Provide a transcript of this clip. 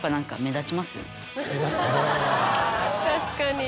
確かに。